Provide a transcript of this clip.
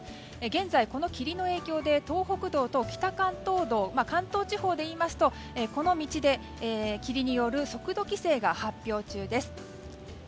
現在、この霧の影響で東北道と北関東道関東地方でいいますとこの道で、霧による速度規制が発表中です。